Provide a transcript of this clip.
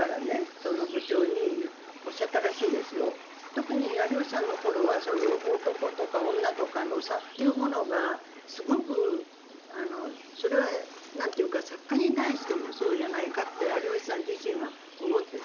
特に有吉さんの頃はそういう男とか女とかの差というものがすごくそれは何ていうか作家に対してもそうじゃないかって有吉さん自身は思ってて。